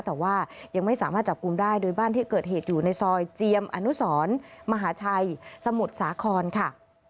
แต่ว่ายังไม่สามารถจับกลุ่มได้โดยบ้านที่เกิดเหตุอยู่ในซอยเจียมอนุสรมหาชัยสมุทรสาครค่ะ